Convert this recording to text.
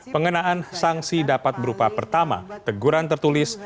pengenaan sanksi dapat berupa pertama teguran tertulis